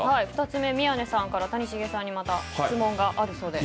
２つ目、宮根さんから谷繁さんに質問があるそうで。